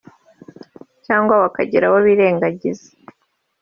cyangwa bakagira abo birengagiza